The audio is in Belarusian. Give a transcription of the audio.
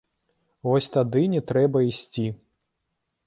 Вось тады не трэба ісці.